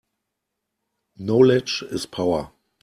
Knowledge is power.